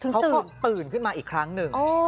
เขาก็ตื่นขึ้นมาอีกครั้งหนึ่ง